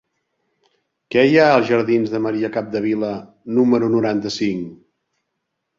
Què hi ha als jardins de Maria Capdevila número noranta-cinc?